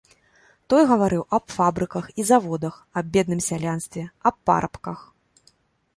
Той гаварыў аб фабрыках і заводах, аб бедным сялянстве, аб парабках.